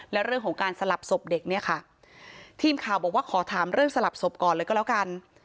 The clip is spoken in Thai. และเรื่องของการสลับศพเด็กเนี่ยค่ะทีมข่าวบอกว่าขอถามเรื่องสลับศพก่อนเลยก็แล้วกัน